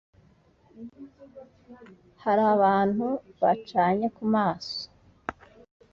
hari abantu bacanye kumaso